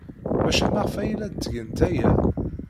Maca maɣef ay la ttgent aya?